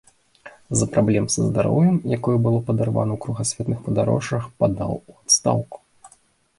З-за праблем са здароўем, якое было падарвана ў кругасветных падарожжах, падаў у адстаўку.